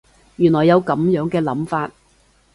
原來有噉樣嘅諗法